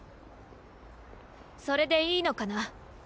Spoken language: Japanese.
それでいいのかな？